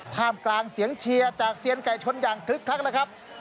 ถ่ามกลางเสียงเชียลจากเซียนไกชนอย่างคลึกครัก